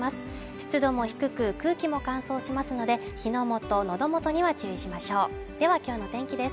湿度も低く空気も乾燥しますので火の元のど元には注意しましょうでは今日の天気です